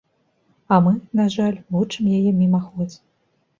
А мы, на жаль, вучым яе мімаходзь.